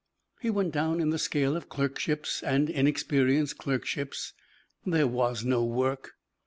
He went down in the scale of clerkships and inexperienced clerkships. There was no work.